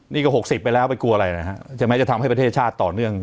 นี่ก็๖๐ไปแล้วไปกลัวอะไรนะฮะใช่ไหมจะทำให้ประเทศชาติต่อเนื่อง